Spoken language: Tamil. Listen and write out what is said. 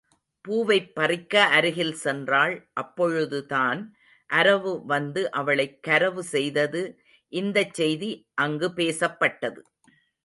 பூவைப் பறிக்க அருகில் சென்றாள் அப்பொழுதுதான் அரவு வந்து அவளைக் கரவு செய்தது இந்தச் செய்தி அங்குப் பேசப்பட்டது.